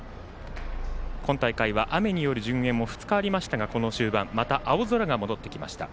今大会は雨による順延も２日ありましたがこの終盤また青空が戻ってきました。